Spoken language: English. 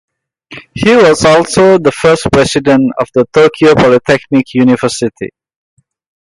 He was also the first president of the Tokyo Polytechnic University.